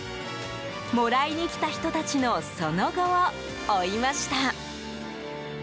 もらいに来た人たちのその後を追いました。